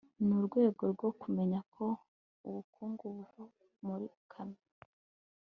ni urwego rwo kumenya ko ubukungu buva muri kamere